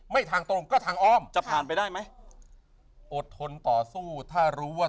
ทางตรงก็ทางอ้อมจะผ่านไปได้ไหมอดทนต่อสู้ถ้ารู้ว่า